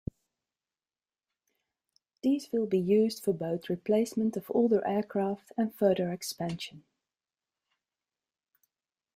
These will be used for both replacement of older aircraft and further expansion.